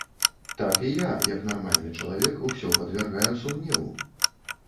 Так і я, як нармальны чалавек, усё падвяргаю сумневу.